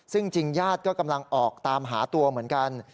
ซึ่งจริงญาติก็กำลังออกตามหาตัวเหมือนกัน